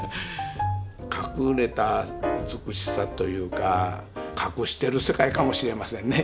隠れた美しさというか隠してる世界かもしれませんね